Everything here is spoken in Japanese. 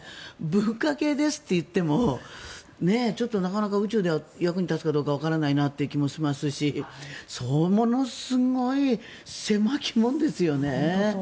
文科系ですといってもなかなか宇宙では役に立つかわからない気もしますしものすごい狭き門ですよね。